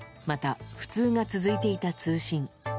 また、不通が続いていた通信。